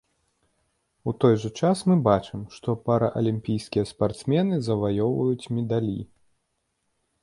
У той жа час мы бачым, што паралімпійскія спартсмены заваёўваюць медалі.